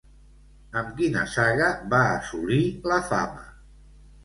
Amb quina saga va assolir la fama?